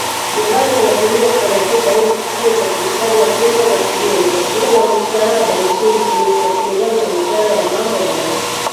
Jebali anatuhumiwa kufanya kosa hilo kupitia usafirishaji wa fedha za kigeni kwa shirika la misaada nchini Tunisia kulingana na wizara ya mambo ya ndani